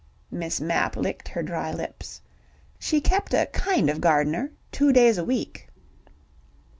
Miss Mapp licked her dry lips. She kept a kind of gardener: two days a week.